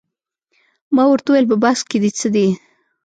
ما ورته وویل په بکس کې دې څه دي؟